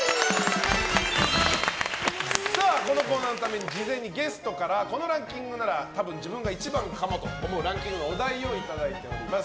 このコーナーのために事前にゲストからこのランキングなら多分、自分が１番かもと思うランキングのお題をいただいております。